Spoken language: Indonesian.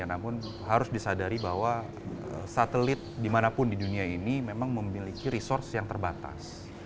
namun harus disadari bahwa satelit dimanapun di dunia ini memang memiliki resource yang terbatas